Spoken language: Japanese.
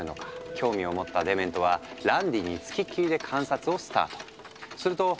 興味を持ったデメントはランディに付きっきりで観察をスタート。